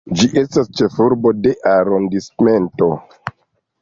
Ĝi estas ĉefurbo de arondismento.